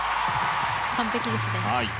完璧ですね。